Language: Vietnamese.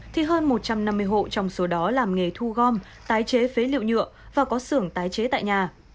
thì hơn một trăm năm mươi hộ trong số đó làm nghề thu gom tái chế phế liệu nhựa và có xưởng tái chế tại nhà